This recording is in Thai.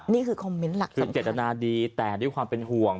นี่คือคอมเมนต์หลักฐานคือเจตนาดีแต่ด้วยความเป็นห่วง